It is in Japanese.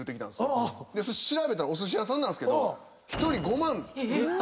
調べたらお寿司屋さんなんすけど１人５万。